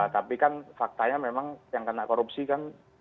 tapi kan faktanya memang yang kena korupsi kan